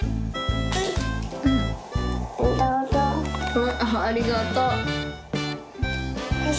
うんありがとう。どうぞ。